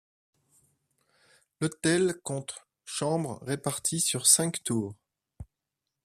L'hôtel compte chambres réparties sur cinq tours.